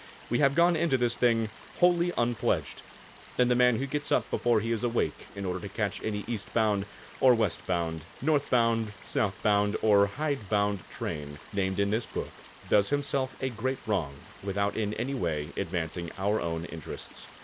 We have gone into this thing wholly unpledged, and the man who gets up before he is awake, in order to catch any East bound, or West bound, North bound, South bound, or hide bound train, named in this book, does himself a great wrong without in any way advancing our own interests.